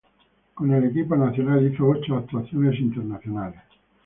Con el equipo nacional hizo ocho actuaciones internacionales.